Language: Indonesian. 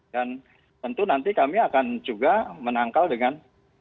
dan tentu nanti kami akan juga menangkal dengan